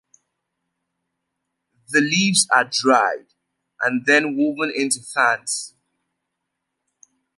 The leaves are dried and then woven into fans.